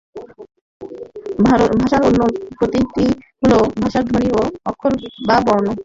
ভাষার অন্য প্রতীকটি হলো ভাষার ধ্বনি এবং অক্ষর বা বর্ণ।